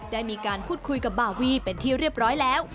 ได้มีการพูดคุยกับบาวีเป็นที่เรียบร้อยแล้ว